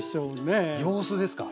様子ですか？